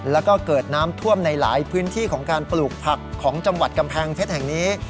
แล้วก็เกิดน้ำท่วมในหลายพื้นที่ของการปลูกผักของจังหวัดกำแพงเพชรแห่งนี้